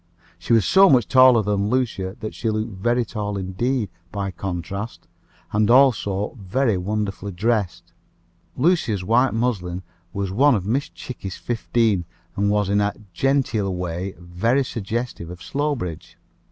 She was so much taller than Lucia, that she looked very tall indeed by contrast, and also very wonderfully dressed. Lucia's white muslin was one of Miss Chickie's fifteen, and was, in a "genteel" way, very suggestive of Slowbridge.